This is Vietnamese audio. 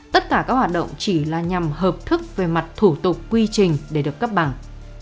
tất cả các hoạt động chỉ là nhằm hợp thức về mặt thủ tục quy trình để được cấp bằng